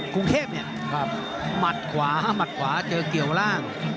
กรุงเทพเนี่ยหมัดขวาหมัดขวาเจอเกี่ยวล่าง